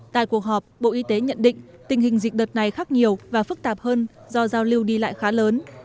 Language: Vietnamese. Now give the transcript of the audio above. tại cuộc họp bộ y tế nhận định tình hình dịch đợt này khác nhiều và phức tạp hơn do giao lưu đi lại khá lớn